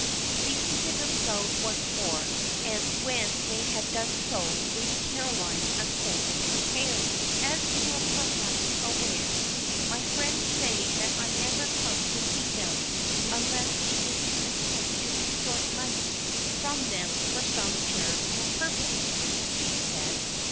They seated themselves once more, and when they had done so, Lady Caroline unfolded her tale. "As you are perhaps aware, my friends say that I never come to see them unless it is to attempt to extort money from them for some charitable purpose," she said.